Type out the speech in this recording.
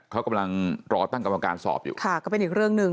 เขากำลังรอตั้งกรรมการสอบอยู่ค่ะก็เป็นอีกเรื่องหนึ่ง